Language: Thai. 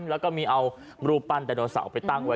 แล้วก็มีเอารูปปั้นไดโนเสาร์ไปตั้งไว้